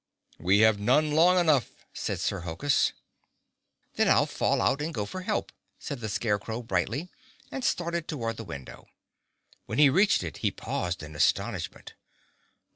"We have none long enough," said Sir Hokus. "Then I'll fall out and go for help," said the Scarecrow brightly, and started toward the window. When he reached it he paused in astonishment.